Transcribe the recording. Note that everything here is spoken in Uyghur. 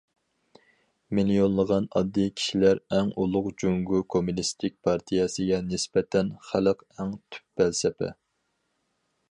‹‹ مىليونلىغان ئاددىي كىشىلەر ئەڭ ئۇلۇغ››، جۇڭگو كوممۇنىستىك پارتىيەسىگە نىسبەتەن‹‹ خەلق›› ئەڭ تۈپ پەلسەپە.